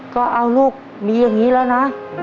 ก็เอาลูกมีอย่างนี้แล้วนะ